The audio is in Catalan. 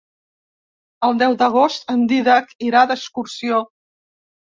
El deu d'agost en Dídac irà d'excursió.